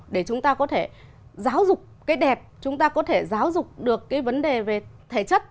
để chúng ta có thể giáo dục cái đẹp chúng ta có thể giáo dục được cái vấn đề về thể chất